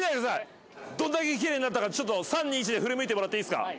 どんだけ綺麗になったかちょっと３２１で振り向いてもらっていいですか？